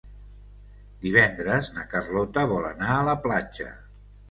Divendres na Carlota vol anar a la platja.